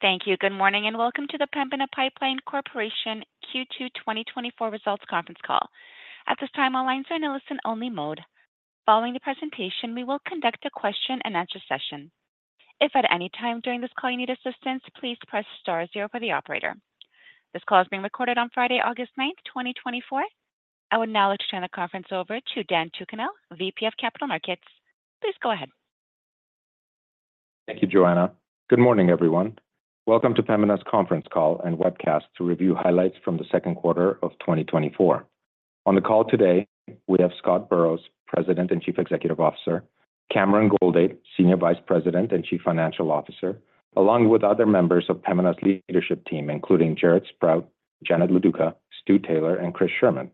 Thank you. Good morning, and welcome to the Pembina Pipeline Corporation Q2 2024 Results Conference Call. At this time, all lines are in listen-only mode. Following the presentation, we will conduct a question-and-answer session. If at any time during this call you need assistance, please press star zero for the operator. This call is being recorded on Friday, August 9th, 2024. I would now like to turn the conference over to Dan Tulk, VP of Capital Markets. Please go ahead. Thank you, Joanna. Good morning, everyone. Welcome to Pembina's conference call and webcast to review highlights from the second quarter of 2024. On the call today, we have Scott Burrows, President and Chief Executive Officer, Cameron Goldade, Senior Vice President and Chief Financial Officer, along with other members of Pembina's leadership team, including Jaret Sprott, Janet Loduca, Stu Taylor, and Chris Scherman.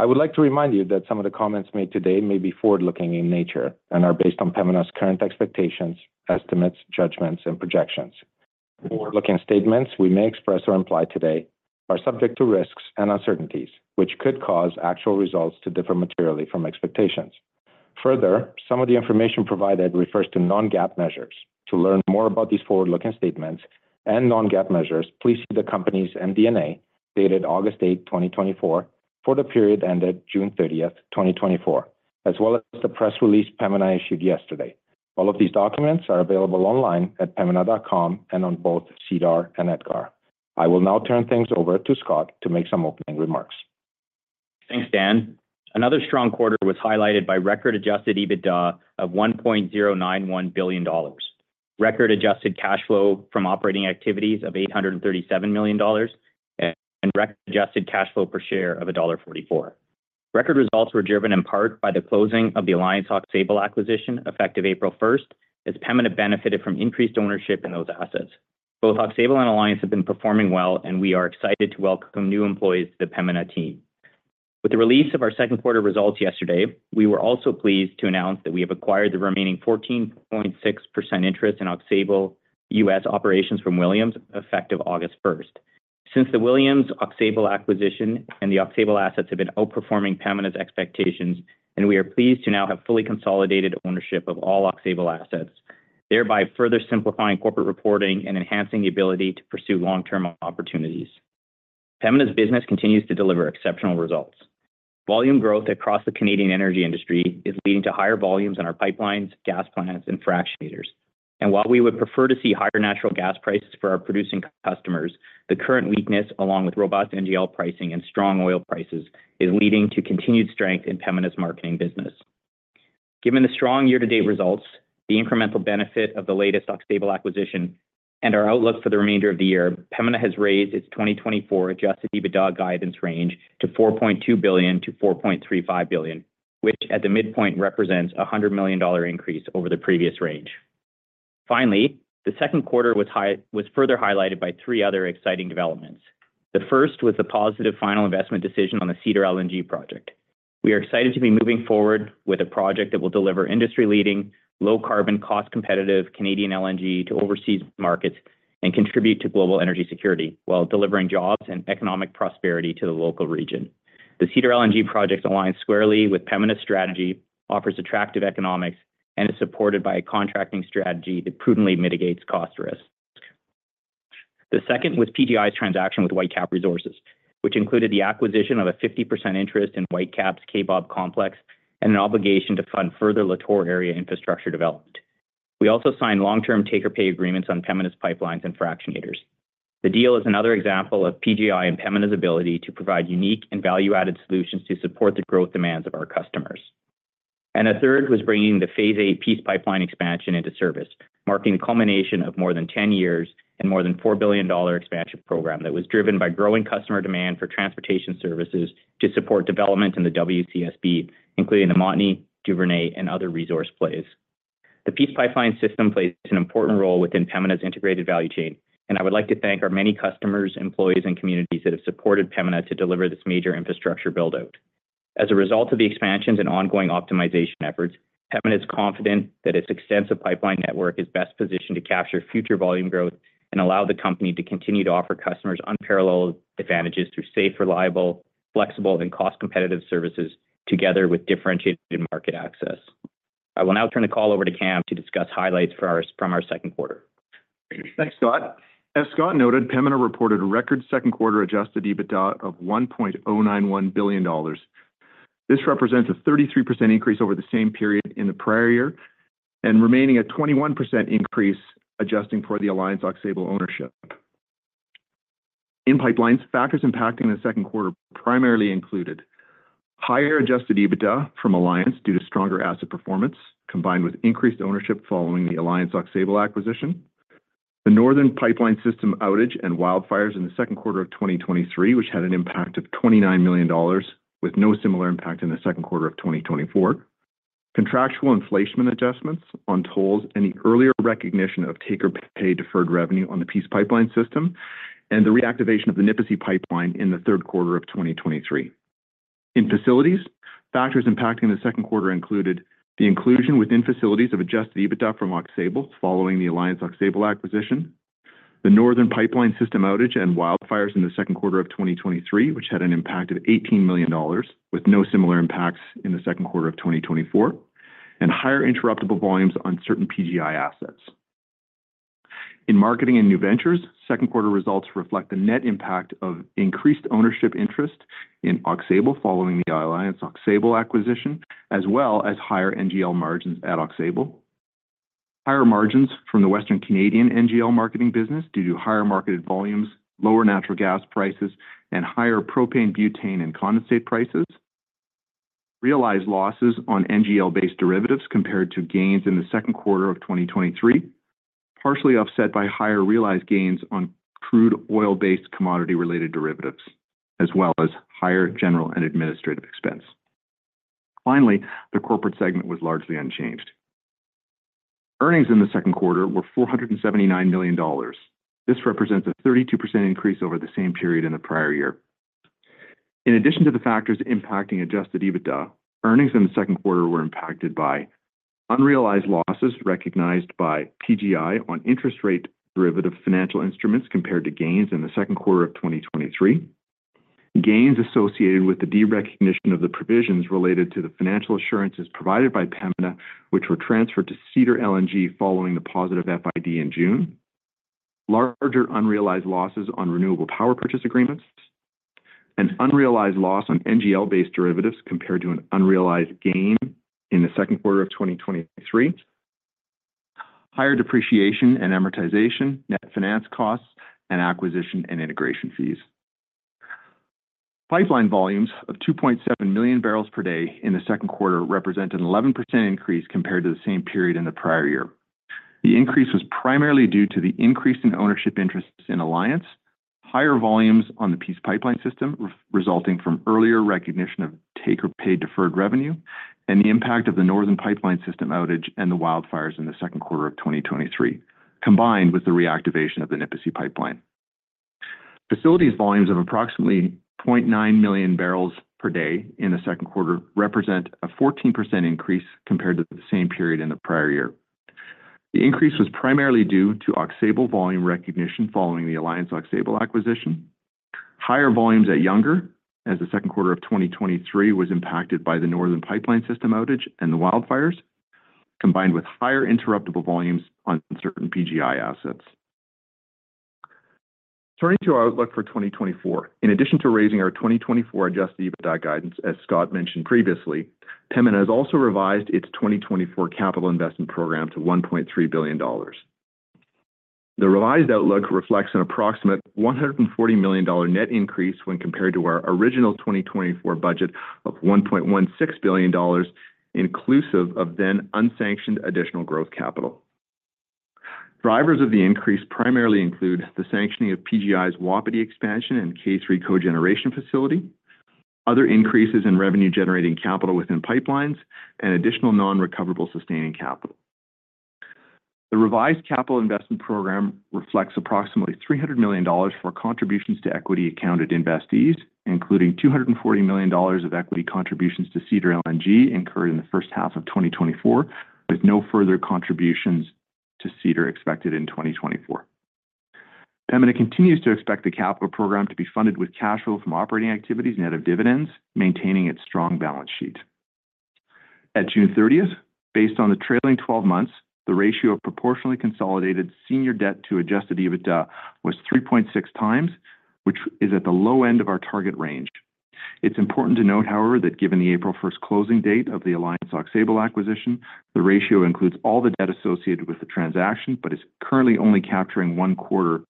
I would like to remind you that some of the comments made today may be forward-looking in nature and are based on Pembina's current expectations, estimates, judgments, and projections. Forward-looking statements we may express or imply today are subject to risks and uncertainties, which could cause actual results to differ materially from expectations. Further, some of the information provided refers to non-GAAP measures. To learn more about these forward-looking statements and non-GAAP measures, please see the company's MD&A, dated August 8, 2024, for the period ended June 30th, 2024, as well as the press release Pembina issued yesterday. All of these documents are available online at pembina.com and on both SEDAR and EDGAR. I will now turn things over to Scott to make some opening remarks. Thanks, Dan. Another strong quarter was highlighted by record Adjusted EBITDA of 1.091 billion dollars. Record-adjusted cash flow from operating activities of 837 million dollars and record-adjusted cash flow per share of dollar 1.44. Record results were driven in part by the closing of the Alliance Aux Sable acquisition, effective April first, as Pembina benefited from increased ownership in those assets. Both Aux Sable and Alliance have been performing well, and we are excited to welcome new employees to the Pembina team. With the release of our second quarter results yesterday, we were also pleased to announce that we have acquired the remaining 14.6% interest in Aux Sable U.S. operations from Williams, effective August 1st. Since the Williams Aux Sable acquisition and the Aux Sable assets have been outperforming Pembina's expectations, and we are pleased to now have fully consolidated ownership of all Aux Sable assets, thereby further simplifying corporate reporting and enhancing the ability to pursue long-term opportunities. Pembina's business continues to deliver exceptional results. Volume growth across the Canadian energy industry is leading to higher volumes in our pipelines, gas plants, and fractionators. And while we would prefer to see higher natural gas prices for our producing customers, the current weakness, along with robust NGL pricing and strong oil prices, is leading to continued strength in Pembina's marketing business. Given the strong year-to-date results, the incremental benefit of the latest Aux Sable acquisition and our outlook for the remainder of the year, Pembina has raised its 2024 Adjusted EBITDA guidance range to 4.2 billion-4.35 billion, which at the midpoint represents a 100 million dollar increase over the previous range. Finally, the second quarter was further highlighted by three other exciting developments. The first was the positive final investment decision on the Cedar LNG Project. We are excited to be moving forward with a project that will deliver industry-leading, low-carbon, cost-competitive Canadian LNG to overseas markets and contribute to global energy security while delivering jobs and economic prosperity to the local region. The Cedar LNG Project aligns squarely with Pembina's strategy, offers attractive economics, and is supported by a contracting strategy that prudently mitigates cost risk. The second was PGI's transaction with Whitecap Resources, which included the acquisition of a 50% interest in Whitecap's Kaybob Complex and an obligation to fund further Lator area infrastructure development. We also signed long-term take-or-pay agreements on Pembina's pipelines and fractionators. The deal is another example of PGI and Pembina's ability to provide unique and value-added solutions to support the growth demands of our customers. A third was bringing the Phase VIII Peace Pipeline expansion into service, marking the culmination of more than 10 years and more than 4 billion dollar expansion program that was driven by growing customer demand for transportation services to support development in the WCSB, including the Montney, Duvernay, and other resource plays. The Peace Pipeline system plays an important role within Pembina's integrated value chain, and I would like to thank our many customers, employees, and communities that have supported Pembina to deliver this major infrastructure build-out. As a result of the expansions and ongoing optimization efforts, Pembina is confident that its extensive pipeline network is best positioned to capture future volume growth and allow the company to continue to offer customers unparalleled advantages through safe, reliable, flexible, and cost-competitive services together with differentiated market access. I will now turn the call over to Cam to discuss highlights from our second quarter. Thanks, Scott. As Scott noted, Pembina reported a record second quarter adjusted EBITDA of 1.091 billion dollars. This represents a 33% increase over the same period in the prior year and remaining a 21% increase, adjusting for the Alliance Aux Sable ownership. In pipelines, factors impacting the second quarter primarily included: higher adjusted EBITDA from Alliance due to stronger asset performance, combined with increased ownership following the Alliance Aux Sable acquisition. The Northern Pipeline System outage and wildfires in the second quarter of 2023, which had an impact of 29 million dollars, with no similar impact in the second quarter of 2024. Contractual inflation adjustments on tolls and the earlier recognition of take-or-pay deferred revenue on the Peace Pipeline system, and the reactivation of the Nipisi Pipeline in the third quarter of 2023. In facilities, factors impacting the second quarter included the inclusion within facilities of adjusted EBITDA from Aux Sable, following the Alliance Aux Sable acquisition, the Northern Pipeline System outage and wildfires in the second quarter of 2023, which had an impact of 18 million dollars, with no similar impacts in the second quarter of 2024. And higher interruptible volumes on certain PGI assets. In marketing and new ventures, second quarter results reflect the net impact of increased ownership interest in Aux Sable, following the Alliance Aux Sable acquisition, as well as higher NGL margins at Aux Sable. Higher margins from the Western Canadian NGL marketing business due to higher marketed volumes, lower natural gas prices, and higher propane, butane, and condensate prices. Realized losses on NGL-based derivatives compared to gains in the second quarter of 2023, partially offset by higher realized gains on crude oil-based commodity-related derivatives, as well as higher general and administrative expense. Finally, the corporate segment was largely unchanged. Earnings in the second quarter were 479 million dollars. This represents a 32% increase over the same period in the prior year. In addition to the factors impacting Adjusted EBITDA, earnings in the second quarter were impacted by unrealized losses recognized by PGI on interest rate derivative financial instruments compared to gains in the second quarter of 2023. Gains associated with the derecognition of the provisions related to the financial assurances provided by Pembina, which were transferred to Cedar LNG following the positive FID in June. Larger unrealized losses on renewable power purchase agreements. An unrealized loss on NGL-based derivatives compared to an unrealized gain in the second quarter of 2023. Higher depreciation and amortization, net finance costs, and acquisition and integration fees. Pipeline volumes of 2.7 million barrels per day in the second quarter represent an 11% increase compared to the same period in the prior year. The increase was primarily due to the increase in ownership interests in Alliance Pipeline, higher volumes on the Peace Pipeline system, resulting from earlier recognition of take-or-pay deferred revenue, and the impact of the Northern Pipeline System outage and the wildfires in the second quarter of 2023, combined with the reactivation of the Nipisi Pipeline. Facilities volumes of approximately 0.9 million bbl per day in the second quarter represent a 14% increase compared to the same period in the prior year. The increase was primarily due to Aux Sable volume recognition following the Alliance-Aux Sable acquisition. Higher volumes at Younger, as the second quarter of 2023 was impacted by the Northern Pipeline System outage and the wildfires, combined with higher interruptible volumes on certain PGI assets. Turning to our outlook for 2024. In addition to raising our 2024 Adjusted EBITDA guidance, as Scott mentioned previously, Pembina has also revised its 2024 capital investment program to 1.3 billion dollars. The revised outlook reflects an approximate 140 million dollar net increase when compared to our original 2024 budget of 1.16 billion dollars, inclusive of then unsanctioned additional growth capital. Drivers of the increase primarily include the sanctioning of PGI's Wapiti expansion and K3 cogeneration facility, other increases in revenue-generating capital within pipelines, and additional non-recoverable sustaining capital. The revised capital investment program reflects approximately 300 million dollars for contributions to equity accounted investees, including 240 million dollars of equity contributions to Cedar LNG incurred in the first half of 2024, with no further contributions to Cedar expected in 2024. Pembina continues to expect the capital program to be funded with cash flow from operating activities net of dividends, maintaining its strong balance sheet. At June 30th, based on the trailing 12 months, the ratio of proportionally consolidated senior debt to adjusted EBITDA was 3.6x, which is at the low end of our target range. It's important to note, however, that given the April 1st closing date of the Alliance/Aux Sable acquisition, the ratio includes all the debt associated with the transaction, but is currently only capturing one quarter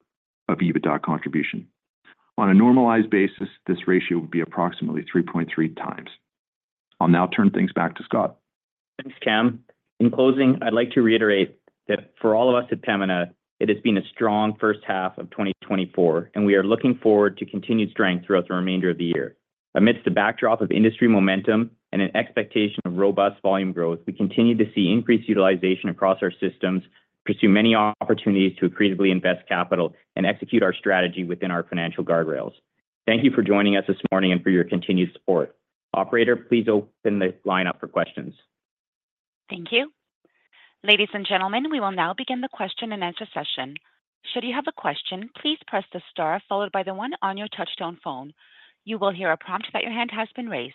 of EBITDA contribution. On a normalized basis, this ratio would be approximately 3.3x. I'll now turn things back to Scott. Thanks, Cam. In closing, I'd like to reiterate that for all of us at Pembina, it has been a strong first half of 2024, and we are looking forward to continued strength throughout the remainder of the year. Amidst the backdrop of industry momentum and an expectation of robust volume growth, we continue to see increased utilization across our systems, pursue many opportunities to creatively invest capital, and execute our strategy within our financial guardrails. Thank you for joining us this morning and for your continued support. Operator, please open the line up for questions. Thank you. Ladies and gentlemen, we will now begin the question-and-answer session. Should you have a question, please press the star followed by the one on your touchtone phone. You will hear a prompt that your hand has been raised.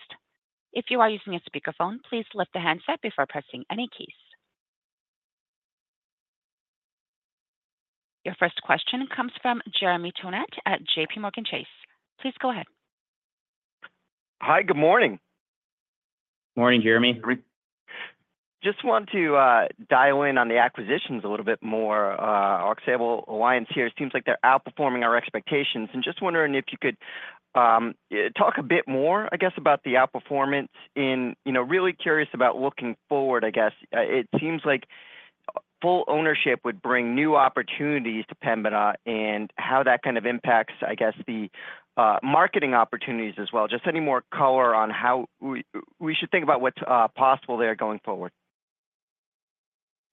If you are using a speakerphone, please lift the handset before pressing any keys. Your first question comes from Jeremy Tonet at JPMorgan Chase. Please go ahead. Hi, good morning. Morning, Jeremy. Just want to dial in on the acquisitions a little bit more. Aux Sable Alliance here, it seems like they're outperforming our expectations, and just wondering if you could talk a bit more, I guess, about the outperformance in... You know, really curious about looking forward, I guess. It seems like full ownership would bring new opportunities to Pembina and how that kind of impacts, I guess, the marketing opportunities as well. Just any more color on how we should think about what's possible there going forward?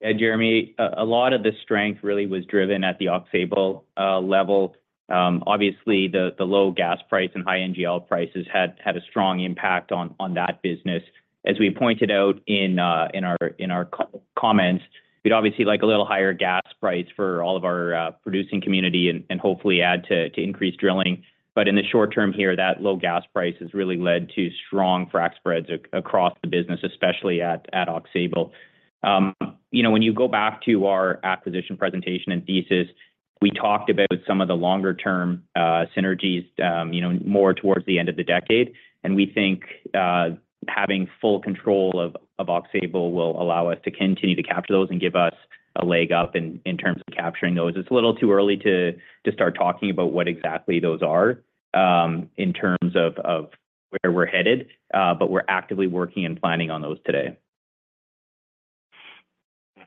Yeah, Jeremy, a lot of the strength really was driven at the Aux Sable level. Obviously, the low gas price and high NGL prices had a strong impact on that business. As we pointed out in our call comments, we'd obviously like a little higher gas price for all of our producing community and hopefully add to increase drilling. But in the short term here, that low gas price has really led to strong frac spreads across the business, especially at Aux Sable. You know, when you go back to our acquisition presentation and thesis, we talked about some of the longer term synergies, you know, more towards the end of the decade, and we think, having full control of Aux Sable will allow us to continue to capture those and give us a leg up in terms of capturing those. It's a little too early to start talking about what exactly those are, in terms of where we're headed, but we're actively working and planning on those today.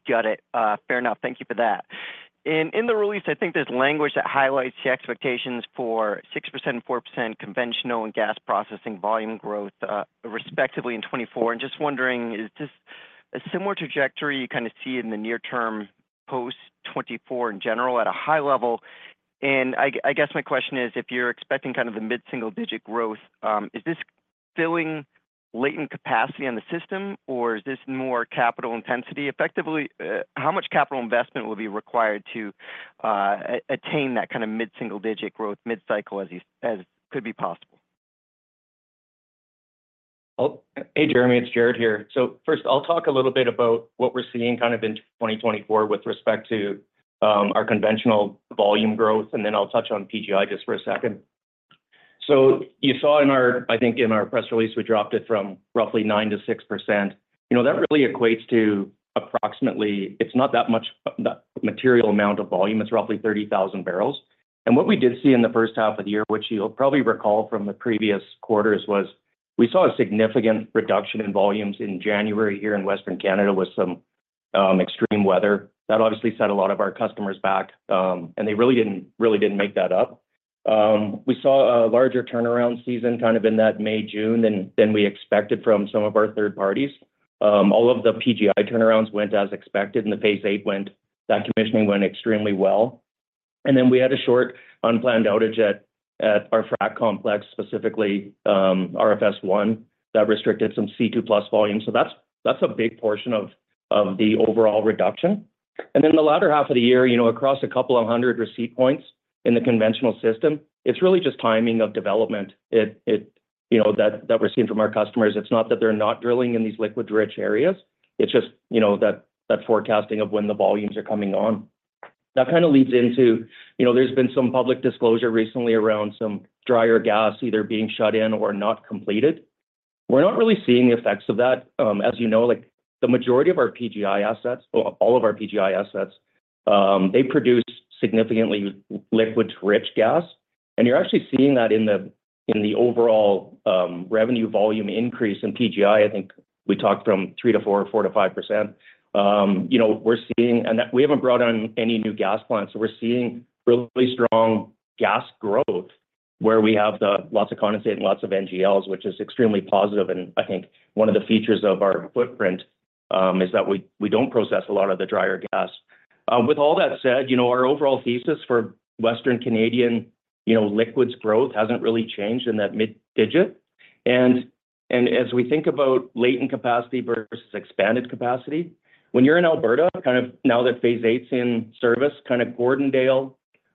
Got it. Fair enough. Thank you for that. In the release, I think there's language that highlights the expectations for 6% and 4% conventional and gas processing volume growth, respectively in 2024. And just wondering, is this a similar trajectory you kinda see in the near term, post 2024 in general at a high level? And I guess my question is: if you're expecting kind of a mid-single-digit growth, is this filling latent capacity in the system, or is this more capital intensity? Effectively, how much capital investment will be required to attain that mid-single-digit growth, mid-cycle, as could be possible? Well, hey, Jeremy, it's Jaret here. So first, I'll talk a little bit about what we're seeing kind of in 2024 with respect to our conventional volume growth, and then I'll touch on PGI just for a second. So you saw in our-- I think in our press release, we dropped it from roughly 9%-6%. You know, that really equates to approximately-- it's not that much material amount of volume. It's roughly 30,000 bbl. And what we did see in the first half of the year, which you'll probably recall from the previous quarters, was we saw a significant reduction in volumes in January here in Western Canada with some extreme weather. That obviously set a lot of our customers back, and they really didn't, really didn't make that up. We saw a larger turnaround season kind of in that May-June than we expected from some of our third parties. All of the PGI turnarounds went as expected, and the Phase VIII commissioning went extremely well. And then we had a short, unplanned outage at our frac complex, specifically, RFS I, that restricted some C2+ volume. So that's a big portion of the overall reduction. And then in the latter half of the year, you know, across a couple of hundred receipt points in the conventional system, it's really just timing of development. You know, that we're seeing from our customers, it's not that they're not drilling in these liquid-rich areas, it's just, you know, that forecasting of when the volumes are coming on. That kinda leads into, you know, there's been some public disclosure recently around some drier gas either being shut in or not completed. We're not really seeing the effects of that. As you know, like, the majority of our PGI assets, or all of our PGI assets, they produce significantly liquids rich gas. And you're actually seeing that in the overall, revenue volume increase in PGI. I think we talked from 3%-4% or 4%-5%. You know, we're seeing... And that we haven't brought on any new gas plants, so we're seeing really strong gas growth where we have the lots of condensate and lots of NGLs, which is extremely positive. And I think one of the features of our footprint, is that we, we don't process a lot of the drier gas. With all that said, you know, our overall thesis for Western Canadian, you know, liquids growth hasn't really changed in that mid digit. And as we think about latent capacity versus expanded capacity, when you're in Alberta, kind of now that Phase VIIIs in service, kinda Gordondale,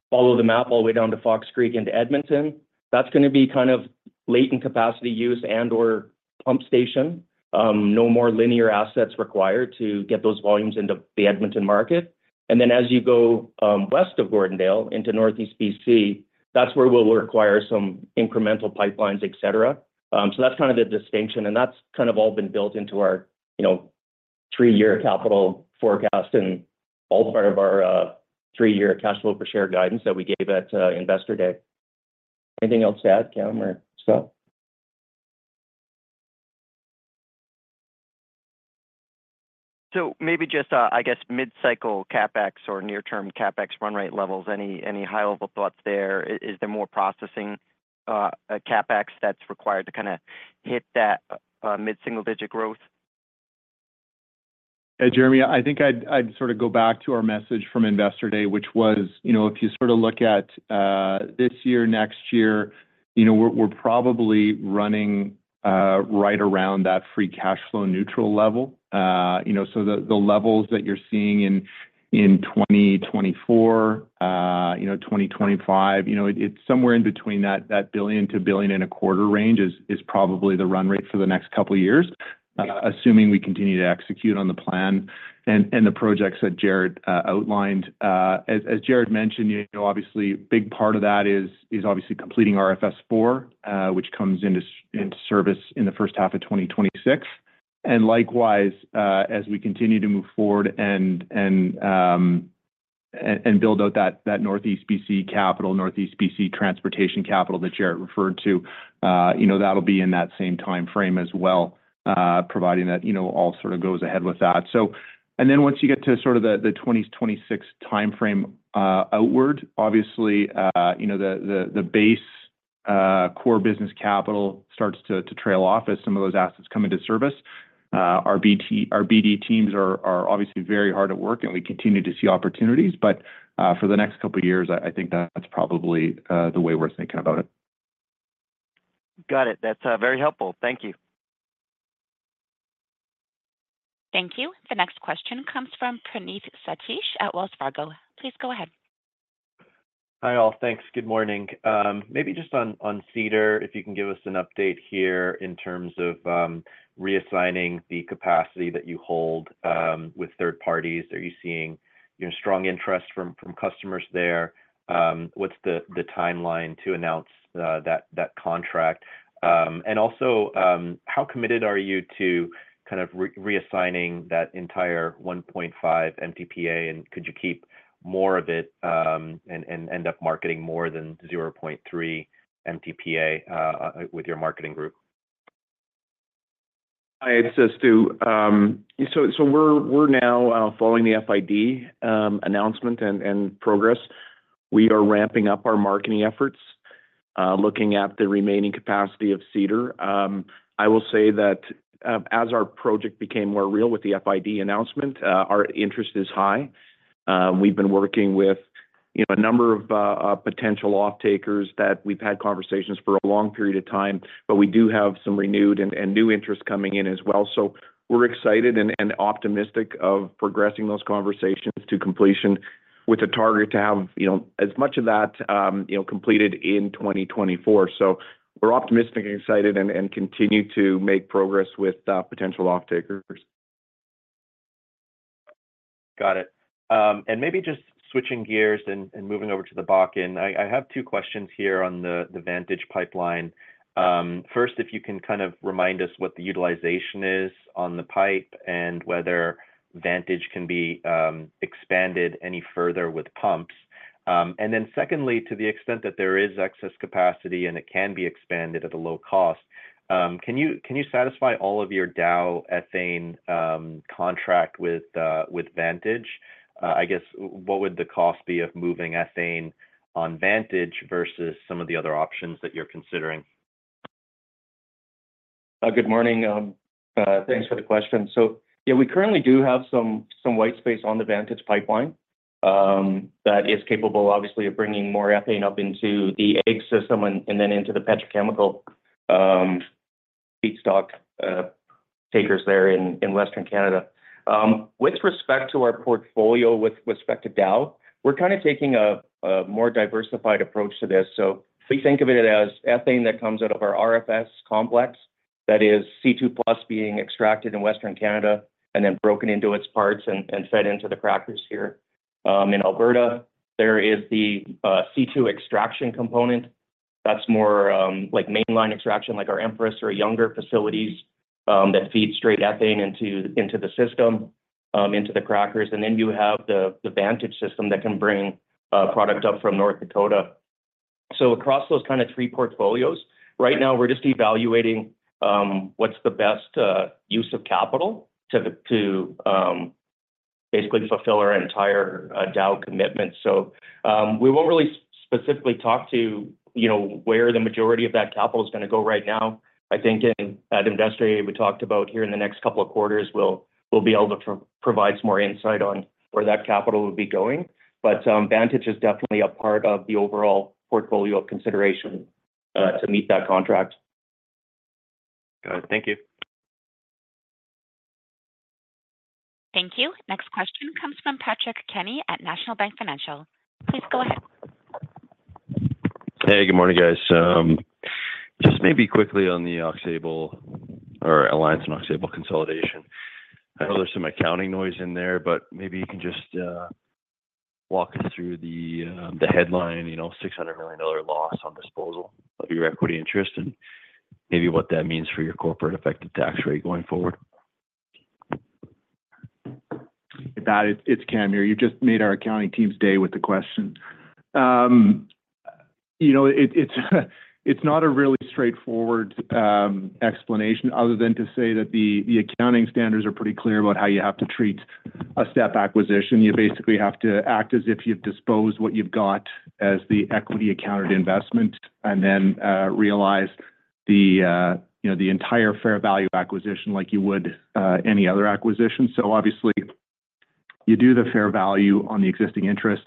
follow the map all the way down to Fox Creek into Edmonton, that's gonna be kind of latent capacity use and/or pump station. No more linear assets required to get those volumes into the Edmonton market. And then as you go west of Gordondale into Northeast BC, that's where we'll require some incremental pipelines, et cetera. So that's kind of the distinction, and that's kind of all been built into our, you know, three-year capital forecast and all part of our three-year cash flow per share guidance that we gave at Investor Day. Anything else to add, Cameron or Scott? So maybe just, I guess, mid-cycle CapEx or near-term CapEx run rate levels, any high-level thoughts there? Is there more processing CapEx that's required to kinda hit that mid-single-digit growth? Yeah, Jeremy, I think I'd sort of go back to our message from Investor Day, which was, you know, if you sort of look at this year, next year, you know, we're probably running right around that free cash flow neutral level. You know, so the levels that you're seeing in 2024, you know, 2025, you know, it's somewhere in between that 1 billion-1.25 billion range is probably the run rate for the next couple of years, assuming we continue to execute on the plan and the projects that Jaret outlined. As Jaret mentioned, you know, obviously, big part of that is obviously completing RFS IV, which comes into service in the first half of 2026. Likewise, as we continue to move forward and build out that Northeast BC capital, Northeast BC transportation capital that Jaret referred to, you know, that'll be in that same time frame as well, providing that, you know, all sort of goes ahead with that. So, and then once you get to sort of the 2026 time frame outward, obviously, you know, the base core business capital starts to trail off as some of those assets come into service. Our BD teams are obviously very hard at work, and we continue to see opportunities. But, for the next couple of years, I think that's probably the way we're thinking about it. Got it. That's very helpful. Thank you. Thank you. The next question comes from Praneeth Satish at Wells Fargo. Please go ahead. Hi, all. Thanks. Good morning. Maybe just on Cedar, if you can give us an update here in terms of reassigning the capacity that you hold with third parties. Are you seeing, you know, strong interest from customers there? What's the timeline to announce that contract? And also, how committed are you to kind of reassigning that entire 1.5 MTPA, and could you keep more of it, and end up marketing more than 0.3 MTPA with your marketing group? Hi, it's Stu. So we're now following the FID announcement and progress. We are ramping up our marketing efforts, looking at the remaining capacity of Cedar. I will say that, as our project became more real with the FID announcement, our interest is high. We've been working with, you know, a number of potential offtakers that we've had conversations for a long period of time, but we do have some renewed and new interest coming in as well. So we're excited and optimistic of progressing those conversations to completion with a target to have, you know, as much of that, you know, completed in 2024. So we're optimistic and excited and continue to make progress with potential offtakers. Got it. And maybe just switching gears and moving over to the Bakken. I have two questions here on the Vantage Pipeline. First, if you can kind of remind us what the utilization is on the pipe and whether Vantage can be expanded any further with pumps. And then secondly, to the extent that there is excess capacity and it can be expanded at a low cost, can you satisfy all of your Dow ethane contract with Vantage? I guess what would the cost be of moving ethane on Vantage versus some of the other options that you're considering? Good morning. Thanks for the question. So yeah, we currently do have some white space on the Vantage Pipeline that is capable, obviously, of bringing more ethane up into the AEGS and then into the petrochemical feedstock takers there in Western Canada. With respect to our portfolio with respect to Dow, we're kinda taking a more diversified approach to this. So please think of it as ethane that comes out of our RFS complex. That is C2+ being extracted in Western Canada and then broken into its parts and fed into the crackers here. In Alberta, there is the C2 extraction component that's more like mainline extraction, like our Empress or Younger facilities, that feed straight ethane into the system, into the crackers. And then you have the Vantage system that can bring product up from North Dakota. So across those kinda three portfolios, right now, we're just evaluating what's the best use of capital to basically fulfill our entire Dow commitment. So we won't really specifically talk to, you know, where the majority of that capital is gonna go right now. I think in, at Investor Day, we talked about here in the next couple of quarters, we'll be able to provide some more insight on where that capital will be going. But Vantage is definitely a part of the overall portfolio consideration to meet that contract. Got it. Thank you. Thank you. Next question comes from Patrick Kenny at National Bank Financial. Please go ahead. Hey, good morning, guys. Just maybe quickly on the Aux Sable or Alliance and Aux Sable consolidation. I know there's some accounting noise in there, but maybe you can just walk us through the headline, you know, 600 million dollar loss on disposal of your equity interest and maybe what that means for your corporate effective tax rate going forward. That-- It's Cam here. You just made our accounting team's day with the question. You know, it's not a really straightforward explanation other than to say that the accounting standards are pretty clear about how you have to treat a step acquisition. You basically have to act as if you've disposed what you've got as the equity accounted investment and then realize you know, the entire fair value acquisition like you would any other acquisition. So obviously, you do the fair value on the existing interest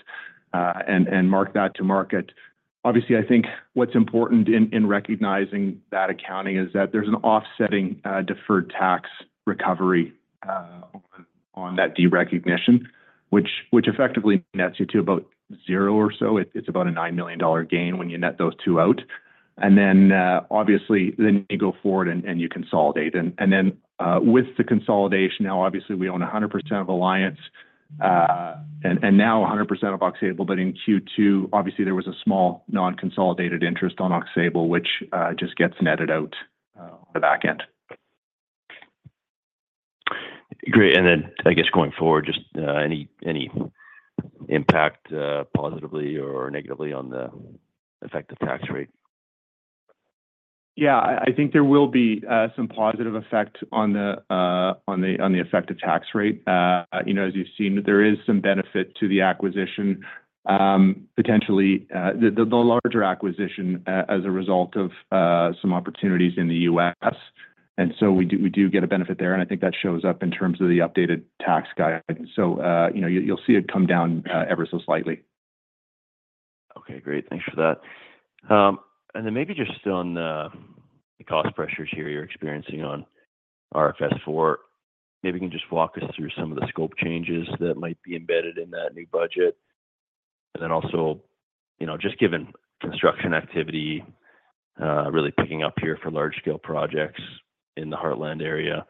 and mark that to market. Obviously, I think what's important in recognizing that accounting is that there's an offsetting deferred tax recovery on that derecognition, which effectively nets you to about zero or so. It's about a 9 million dollar gain when you net those two out. Then, obviously, you go forward and you consolidate. Then, with the consolidation, now, obviously, we own 100% of Alliance, and now 100% of Aux Sable. But in Q2, obviously, there was a small non-consolidated interest on Aux Sable, which just gets netted out on the back end. Great. And then, I guess going forward, just, any, any impact, positively or negatively on the effective tax rate? Yeah, I think there will be some positive effect on the effective tax rate. You know, as you've seen, there is some benefit to the acquisition, potentially the larger acquisition as a result of some opportunities in the U.S. And so we do get a benefit there, and I think that shows up in terms of the updated tax guide. So, you know, you'll see it come down ever so slightly. Okay, great. Thanks for that. And then maybe just on the cost pressures here you're experiencing on RFS IV, maybe you can just walk us through some of the scope changes that might be embedded in that new budget. And then also, you know, just given construction activity really picking up here for large scale projects in the Heartland area,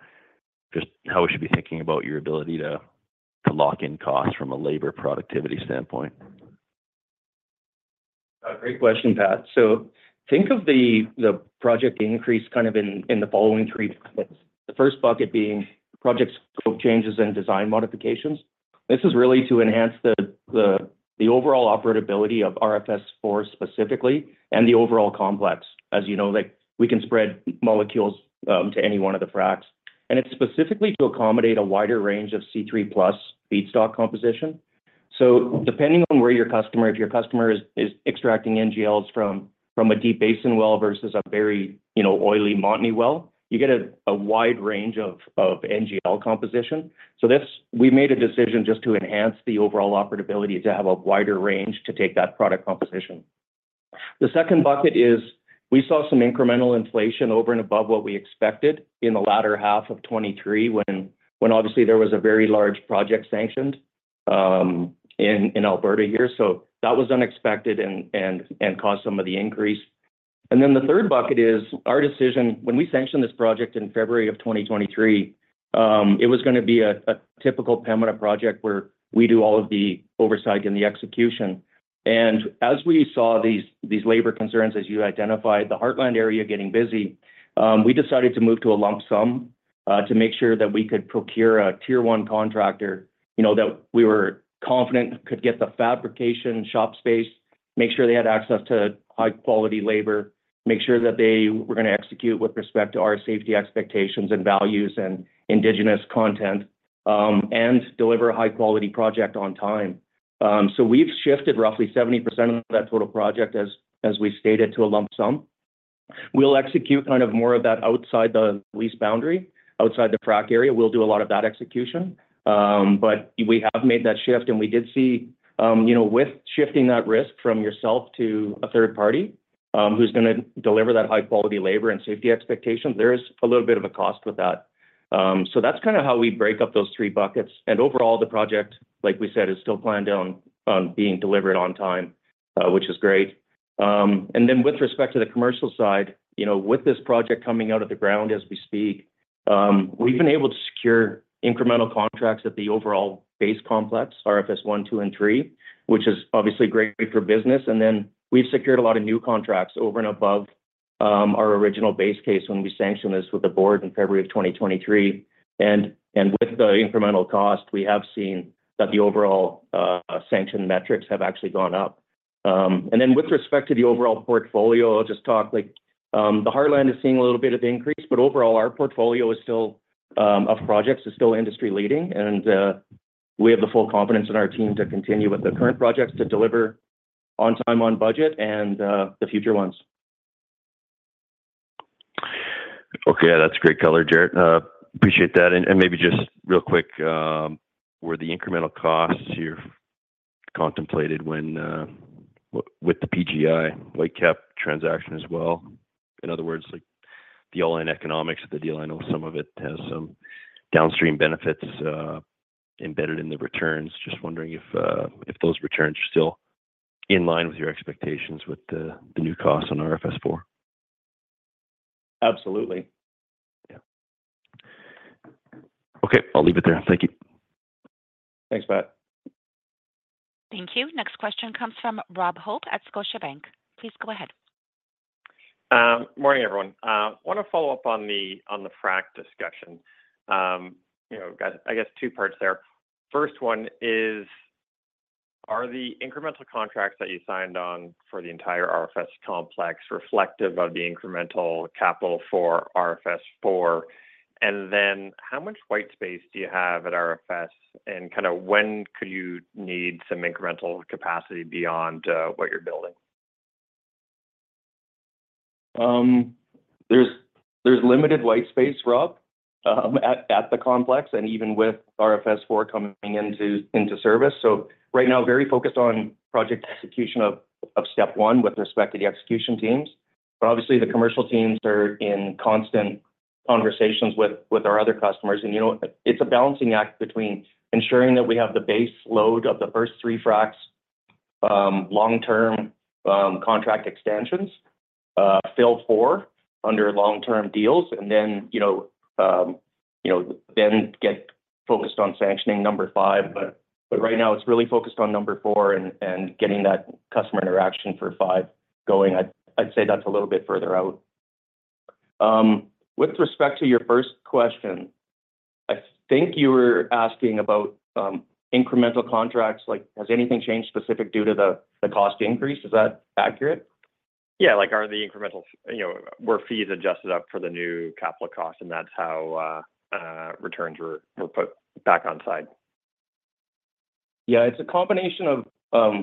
just how we should be thinking about your ability to lock in costs from a labor productivity standpoint? Great question, Pat. So think of the project increase kind of in the following three buckets. The first bucket being project scope changes and design modifications. This is really to enhance the overall operability of RFS IV specifically, and the overall complex. As you know, like, we can spread molecules to any one of the fracs, and it's specifically to accommodate a wider range of C3+ feedstock composition. So depending on where your customer, if your customer is extracting NGLs from a deep basin well, versus a very, you know, oily Montney well, you get a wide range of NGL composition. So this, we made a decision just to enhance the overall operability, to have a wider range to take that product composition. The second bucket is we saw some incremental inflation over and above what we expected in the latter half of 2023, when obviously there was a very large project sanctioned in Alberta here. So that was unexpected and caused some of the increase. And then the third bucket is our decision. When we sanctioned this project in February 2023, it was gonna be a typical Pembina project where we do all of the oversight and the execution. As we saw these labor concerns, as you identified, the Heartland area getting busy, we decided to move to a lump sum to make sure that we could procure a tier one contractor, you know, that we were confident could get the fabrication shop space, make sure they had access to high quality labor, make sure that they were gonna execute with respect to our safety expectations and values and indigenous content, and deliver a high quality project on time. So we've shifted roughly 70% of that total project as we stated, to a lump sum. We'll execute kind of more of that outside the lease boundary, outside the frac area. We'll do a lot of that execution. But we have made that shift, and we did see, you know, with shifting that risk from yourself to a third party, who's gonna deliver that high quality labor and safety expectations, there is a little bit of a cost with that. So that's kind of how we break up those three buckets. And overall, the project, like we said, is still planned on being delivered on time, which is great. And then with respect to the commercial side, you know, with this project coming out of the ground as we speak, we've been able to secure incremental contracts at the overall base complex, RFS I, II, and III, which is obviously great for business. And then we've secured a lot of new contracts over and above, our original base case when we sanctioned this with the board in February of 2023. And with the incremental cost, we have seen that the overall, sanction metrics have actually gone up. And then with respect to the overall portfolio, I'll just talk like, the Heartland is seeing a little bit of increase, but overall, our portfolio is still, of projects, is still industry leading, and, we have the full confidence in our team to continue with the current projects, to deliver on time, on budget, and, the future ones. Okay, that's great color, Jaret. Appreciate that. And maybe just real quick, were the incremental costs here contemplated when with the PGI Whitecap transaction as well? In other words, like the online economics of the deal, I know some of it has some downstream benefits embedded in the returns. Just wondering if those returns are still in line with your expectations with the new costs on RFS IV? Absolutely. Yeah. Okay, I'll leave it there. Thank you. Thanks, Pat. Thank you. Next question comes from Rob Hope at Scotiabank. Please go ahead. Morning, everyone. Wanna follow up on the frac discussion. You know, I guess two parts there. First one is, are the incremental contracts that you signed on for the entire RFS complex reflective of the incremental capital for RFS Four? And then how much white space do you have at RFS, and kinda when could you need some incremental capacity beyond what you're building? There's limited white space, Rob, at the complex, and even with RFS Four coming into service. So right now, very focused on project execution of step one with respect to the execution teams. But obviously, the commercial teams are in constant conversations with our other customers. And, you know, it's a balancing act between ensuring that we have the base load of the first three fracs, long-term, contract extensions, filled for under long-term deals, and then, you know, then get focused on sanctioning number five. But right now it's really focused on number four and getting that customer interaction for five going. I'd say that's a little bit further out. With respect to your first question, I think you were asking about incremental contracts. Like, has anything changed specific due to the cost increase? Is that accurate? Yeah. Like, are the incremental, you know, were fees adjusted up for the new capital cost, and that's how returns were put back on site? Yeah, it's a combination of,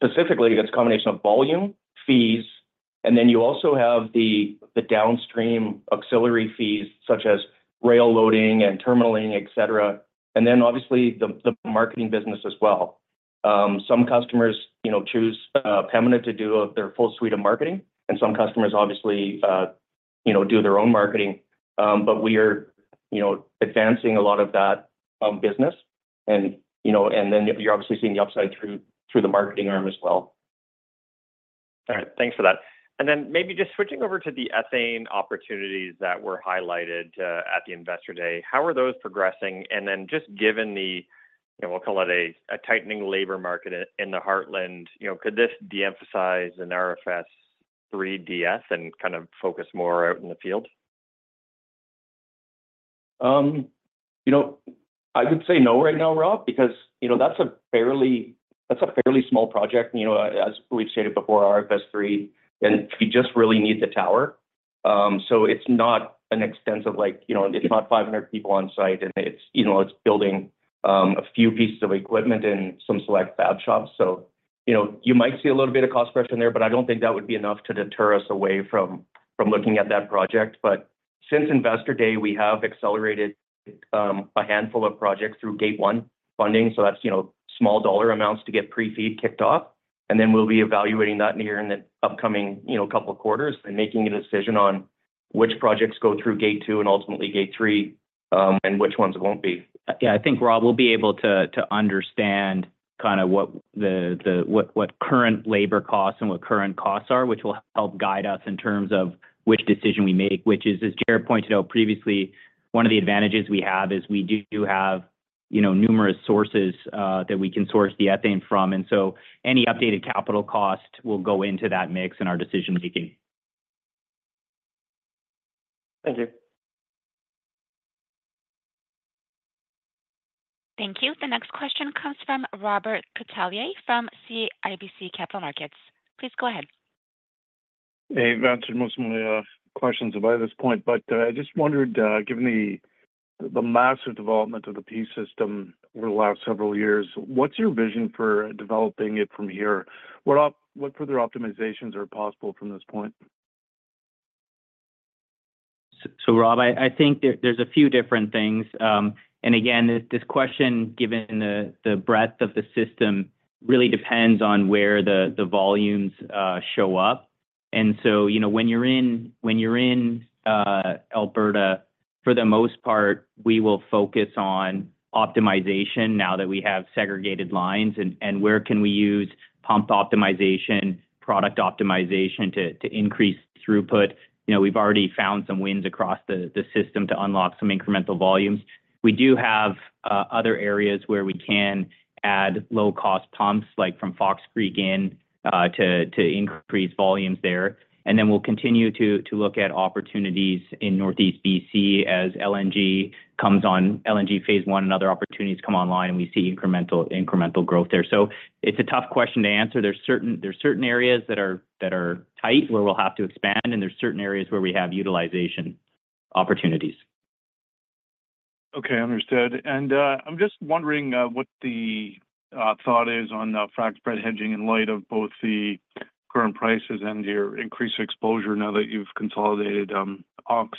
specifically, that's a combination of volume, fees, and then you also have the downstream auxiliary fees, such as rail loading and terminaling, et cetera. And then obviously, the marketing business as well. Some customers, you know, choose Pembina to do their full suite of marketing, and some customers obviously, you know, do their own marketing. But we are, you know, advancing a lot of that business and, you know, and then you're obviously seeing the upside through the marketing arm as well. All right. Thanks for that. And then maybe just switching over to the ethane opportunities that were highlighted at the Investor Day. How are those progressing? And then just given the, you know, we'll call it a tightening labor market in the Heartland, you know, could this de-emphasize an RFS III DS and kind of focus more out in the field? You know, I would say no right now, Rob, because, you know, that's a fairly, that's a fairly small project, you know, as we've stated before, RFS III, and we just really need the tower. So, it's not an extensive like, you know, it's not 500 people on site, and it's, you know, it's building a few pieces of equipment in some select fab shops. So, you know, you might see a little bit of cost pressure in there, but I don't think that would be enough to deter us away from looking at that project. But since Investor Day, we have accelerated a handful of projects through Gate 1 funding, so that's, you know, small dollar amounts to get pre-FEED kicked off. Then we'll be evaluating that near in the upcoming, you know, couple of quarters and making a decision on which projects go through Gate 2 and ultimately Gate 3, and which ones won't be. Yeah, I think, Rob, we'll be able to understand kind of what the current labor costs and what current costs are, which will help guide us in terms of which decision we make, which is, as Jaret pointed out previously, one of the advantages we have is we do have, you know, numerous sources that we can source the ethane from. And so any updated capital cost will go into that mix in our decision making. Thank you. Thank you. The next question comes from Robert Catellier from CIBC Capital Markets. Please go ahead. Hey, you've answered most of my questions by this point, but I just wondered, given the massive development of the Peace system over the last several years, what's your vision for developing it from here? What further optimizations are possible from this point? So, Rob, I think there's a few different things. And again, this question, given the breadth of the system, really depends on where the volumes show up. And so, you know, when you're in Alberta, for the most part, we will focus on optimization now that we have segregated lines and where can we use pump optimization, product optimization to increase throughput. You know, we've already found some wins across the system to unlock some incremental volumes. We do have other areas where we can add low-cost pumps, like from Fox Creek to increase volumes there. And then we'll continue to look at opportunities in Northeast BC as LNG comes on, LNG phase one and other opportunities come online, and we see incremental growth there. It's a tough question to answer. There's certain areas that are tight, where we'll have to expand, and there's certain areas where we have utilization opportunities. Okay, understood. I'm just wondering what the thought is on frac spread hedging in light of both the current prices and your increased exposure now that you've consolidated AUX?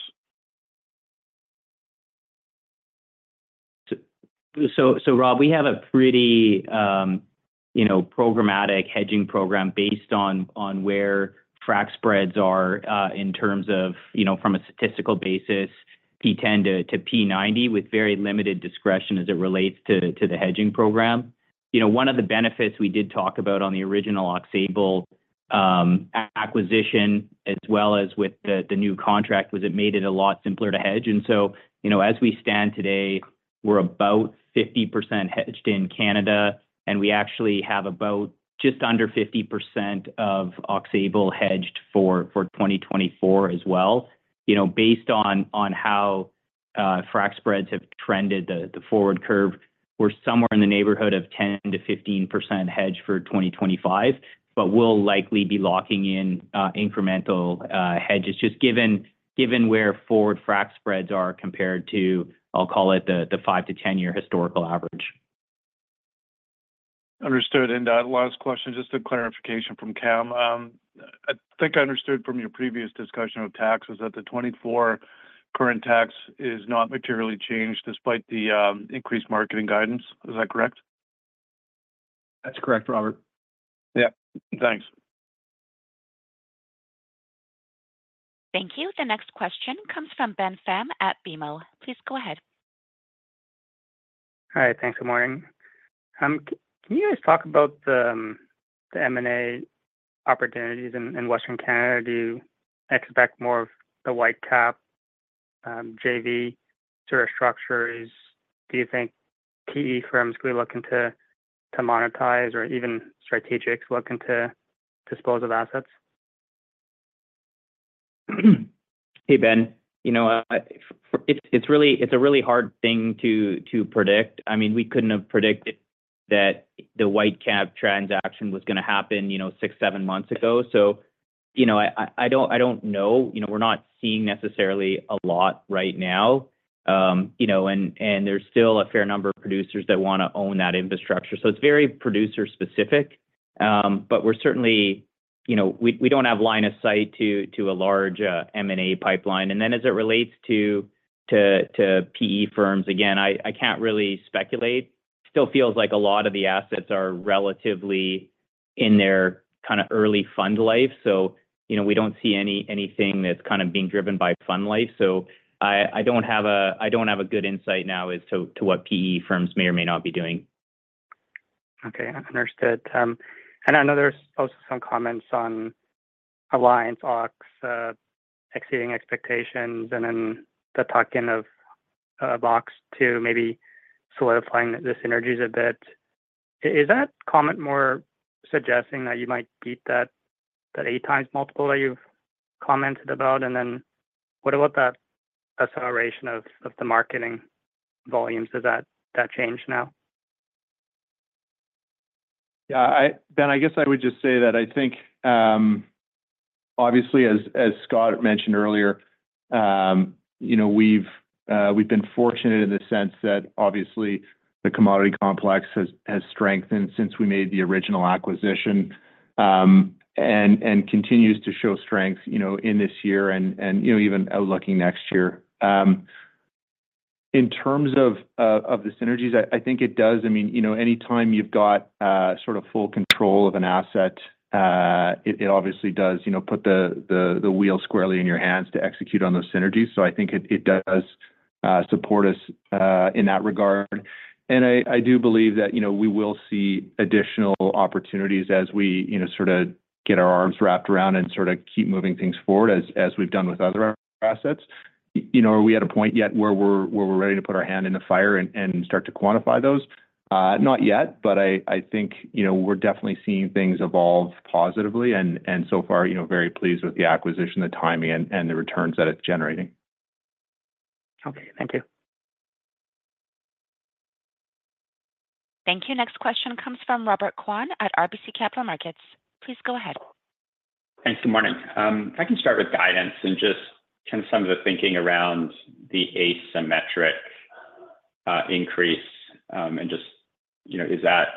So, Rob, we have a pretty, you know, programmatic hedging program based on where frac spreads are, in terms of, you know, from a statistical basis, P-10 to P-90, with very limited discretion as it relates to the hedging program. You know, one of the benefits we did talk about on the original Aux Sable acquisition, as well as with the new contract, was it made it a lot simpler to hedge. And so, you know, as we stand today, we're about 50% hedged in Canada, and we actually have about just under 50% of Aux Sable hedged for 2024 as well. You know, based on how frac spreads have trended the forward curve, we're somewhere in the neighborhood of 10%-15% hedge for 2025, but we'll likely be locking in incremental hedges, just given where forward frac spreads are compared to, I'll call it the 5-10 year historical average. Understood. And, last question, just a clarification from Cam. I think I understood from your previous discussion of taxes, that the 2024 current tax is not materially changed despite the increased marketing guidance. Is that correct? That's correct, Robert. Yeah, thanks. Thank you. The next question comes from Ben Pham at BMO. Please go ahead. Hi, thanks. Good morning. Can you guys talk about the M&A opportunities in Western Canada? Do you expect more of the Whitecap JV sort of structure? Do you think key firms will be looking to monetize or even strategics looking to dispose of assets? Hey, Ben. You know, it's really—it's a really hard thing to predict. I mean, we couldn't have predicted that the Whitecap transaction was gonna happen, you know, 6-7 months ago. You know, I don't know. You know, we're not seeing necessarily a lot right now. And there's still a fair number of producers that wanna own that infrastructure, so it's very producer specific. But we're certainly, you know, we don't have line of sight to a large M&A pipeline. And then as it relates to PE firms, again, I can't really speculate. Still feels like a lot of the assets are relatively in their kind of early fund life. So, you know, we don't see anything that's kind of being driven by fund life. I don't have a good insight now as to what PE firms may or may not be doing. Okay, understood. And I know there's also some comments on Alliance Aux exceeding expectations and then the tuck-in of Aux to maybe solidifying the synergies a bit. Is that comment more suggesting that you might beat that 8x multiple that you've commented about? And then what about that acceleration of the marketing volume? Does that change now? Yeah, Ben, I guess I would just say that I think, obviously, as Scott mentioned earlier, you know, we've, we've been fortunate in the sense that obviously, the commodity complex has strengthened since we made the original acquisition, and continues to show strength, you know, in this year and, you know, even outlooking next year. In terms of the synergies, I think it does. I mean, you know, anytime you've got sort of full control of an asset, it obviously does, you know, put the wheel squarely in your hands to execute on those synergies. So I think it does support us in that regard. And I do believe that, you know, we will see additional opportunities as we, you know, sort of get our arms wrapped around and sort of keep moving things forward, as we've done with other assets. You know, are we at a point yet where we're ready to put our hand in the fire and start to quantify those? Not yet, but I think, you know, we're definitely seeing things evolve positively and so far, you know, very pleased with the acquisition, the timing, and the returns that it's generating. Okay. Thank you. Thank you. Next question comes from Robert Kwan at RBC Capital Markets. Please go ahead. Thanks. Good morning. If I can start with guidance and just kind of some of the thinking around the asymmetric increase, and just, you know, is that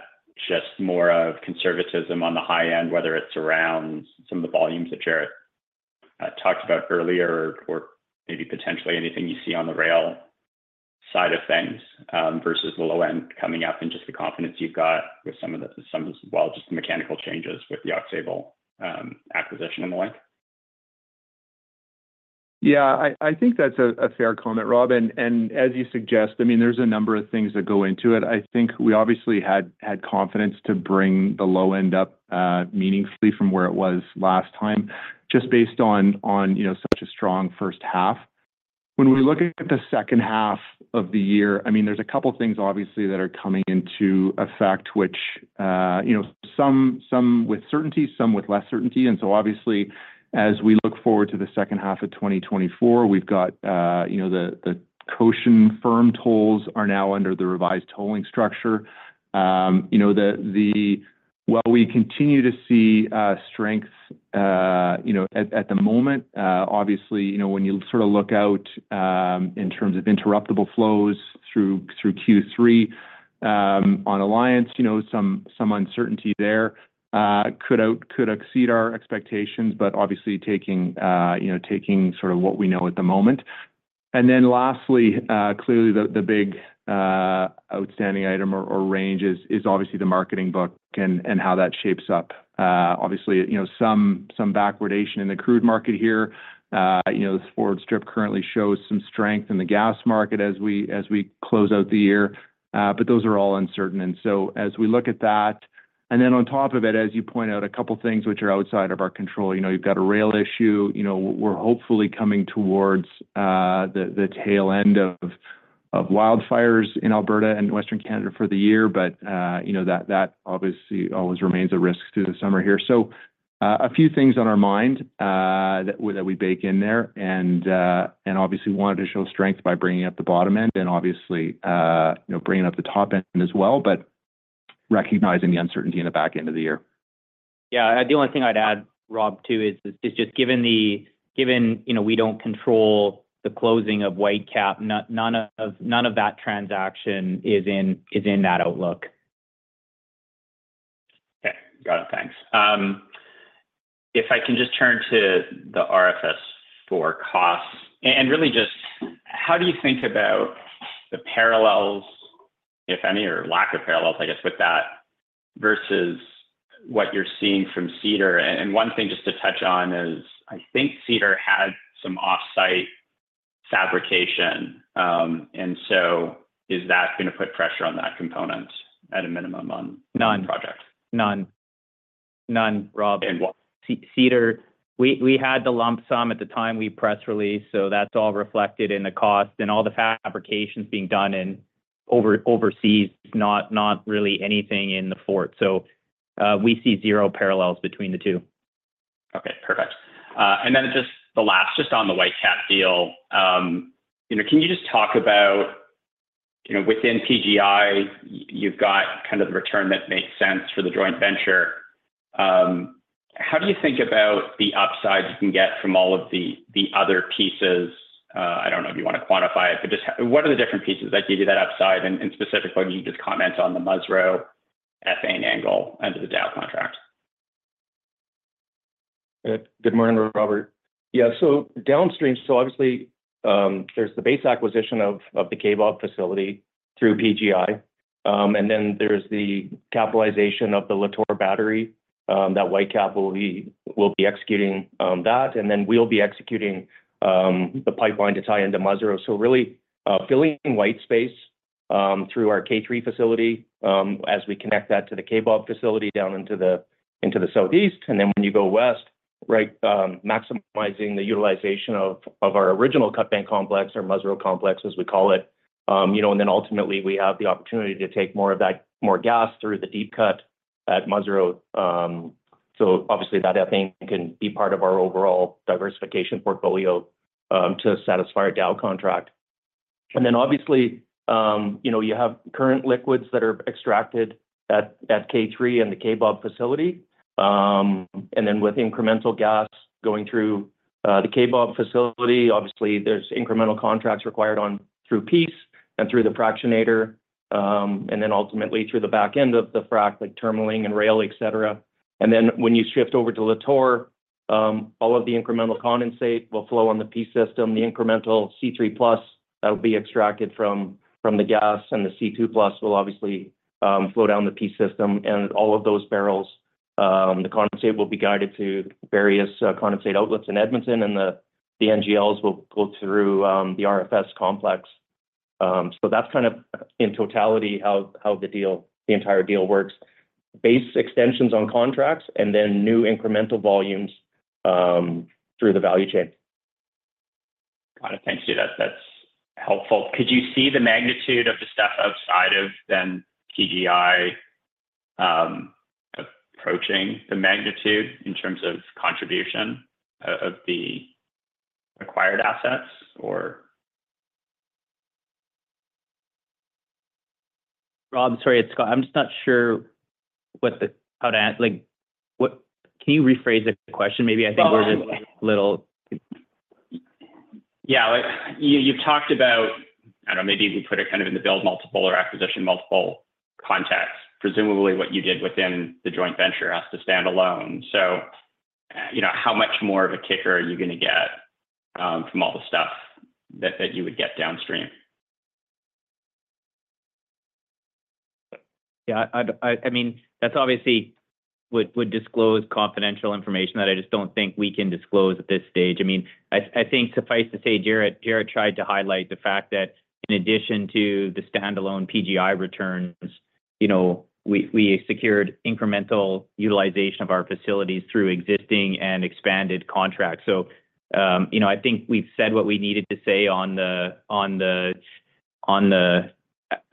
just more of conservatism on the high end, whether it's around some of the volumes that Jaret talked about earlier, or maybe potentially anything you see on the rail side of things, versus the low end coming up, and just the confidence you've got with some of the-- some of, well, just the mechanical changes with the Aux Sable acquisition in the way? Yeah, I think that's a fair comment, Rob. And as you suggest, I mean, there's a number of things that go into it. I think we obviously had confidence to bring the low end up meaningfully from where it was last time, just based on you know, such a strong first half. When we look at the second half of the year, I mean, there's a couple things obviously that are coming into effect, which you know, some with certainty, some with less certainty. And so obviously, as we look forward to the second half of 2024, we've got you know, the Cochin firm tolls are now under the revised tolling structure. You know, while we continue to see strength, you know, at the moment, obviously, you know, when you sort of look out in terms of interruptible flows through Q3 on Alliance, you know, some uncertainty there. Could exceed our expectations, but obviously taking, you know, taking sort of what we know at the moment. And then lastly, clearly, the big outstanding item or range is obviously the marketing book and how that shapes up. Obviously, you know, some backwardation in the crude market here. You know, this forward strip currently shows some strength in the gas market as we close out the year, but those are all uncertain. And so as we look at that... And then on top of it, as you point out, a couple of things which are outside of our control. You know, you've got a rail issue, you know, we're hopefully coming towards the tail end of wildfires in Alberta and Western Canada for the year. But you know, that obviously always remains a risk through the summer here. So, a few things on our mind, that we bake in there, and obviously, wanted to show strength by bringing up the bottom end and obviously, you know, bringing up the top end as well, but recognizing the uncertainty in the back end of the year. Yeah, the only thing I'd add, Rob, too, is just given, you know, we don't control the closing of Whitecap, none of that transaction is in that outlook. Okay. Got it. Thanks. If I can just turn to the RFS for costs, and really just how do you think about the parallels, if any, or lack of parallels, I guess, with that, versus what you're seeing from Cedar? One thing just to touch on is, I think Cedar had some off-site fabrication, and so is that gonna put pressure on that component at a minimum on- None. - the project? None. None, Rob. And what- Cedar, we had the lump sum at the time we press released, so that's all reflected in the cost and all the fabrications being done overseas. Not really anything in the Fort. So, we see zero parallels between the two. Okay, perfect. And then just the last, just on the Whitecap deal, you know, can you just talk about- you know, within PGI, you've got kind of the return that makes sense for the joint venture. How do you think about the upsides you can get from all of the, the other pieces? I don't know if you wanna quantify it, but just what are the different pieces that give you that upside? And, and specifically, can you just comment on the Musreau, FA and Angle, and the Dow contract? Good morning, Robert. Yeah, so downstream, so obviously, there's the base acquisition of the Kaybob facility through PGI. And then there's the capitalization of the Lator Battery that Whitecap will be executing, and then we'll be executing the pipeline to tie into Musreau. So really, filling in white space through our KA facility as we connect that to the Kaybob facility down into the southeast. And then when you go west, right, maximizing the utilization of our original Cutbank Complex or Musreau Complex, as we call it. You know, and then ultimately, we have the opportunity to take more of that more gas through the deep cut at Musreau. So obviously, that, I think, can be part of our overall diversification portfolio to satisfy a Dow contract. And then obviously, you know, you have current liquids that are extracted at K3 and the Kaybob facility. And then with incremental gas going through the Kaybob facility, obviously, there's incremental contracts required on through Peace and through the fractionator, and then ultimately through the back end of the frac, like terminalling and rail, et cetera. And then when you shift over to Lator, all of the incremental condensate will flow on the Peace system. The incremental C3+, that will be extracted from the gas, and the C2+ will obviously flow down the Peace system. And all of those barrels, the condensate will be guided to various condensate outlets in Edmonton, and the NGLs will go through the RFS complex. So that's kind of in totality, how the entire deal works. Base extensions on contracts and then new incremental volumes, through the value chain. Got it. Thanks, dude. That's, that's helpful. Could you see the magnitude of the stuff outside of the PGI, approaching the magnitude in terms of contribution of, of the acquired assets or? Rob, sorry, it's Scott. I'm just not sure what the... how to ask... Like, what... can you rephrase the question maybe? I think we're just- Well- -a little... Yeah, like, you've talked about, I don't know, maybe we put it kind of in the build multiple or acquisition multiple context, presumably what you did within the joint venture has to stand alone. So, you know, how much more of a kicker are you gonna get from all the stuff that you would get downstream? Yeah, I mean, that's obviously would disclose confidential information that I just don't think we can disclose at this stage. I mean, I think suffice to say, Jaret tried to highlight the fact that in addition to the standalone PGI returns, you know, we secured incremental utilization of our facilities through existing and expanded contracts. So, you know, I think we've said what we needed to say on the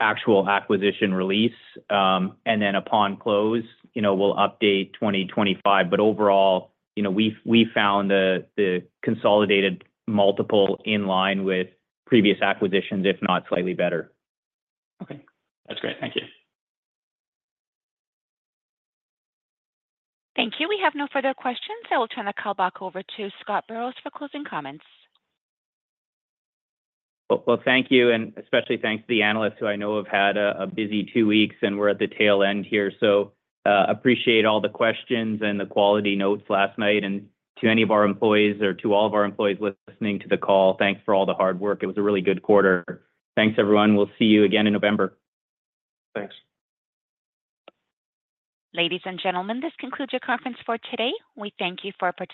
actual acquisition release. And then upon close, you know, we'll update 2025. But overall, you know, we've found the consolidated multiple in line with previous acquisitions, if not slightly better. Okay, that's great. Thank you. Thank you. We have no further questions. I will turn the call back over to Scott Burrows for closing comments. Well, well, thank you, and especially thanks to the analysts, who I know have had a, a busy two weeks, and we're at the tail end here. Appreciate all the questions and the quality notes last night. To any of our employees or to all of our employees listening to the call, thanks for all the hard work. It was a really good quarter. Thanks, everyone. We'll see you again in November. Thanks. Ladies and gentlemen, this concludes your conference for today. We thank you for participating.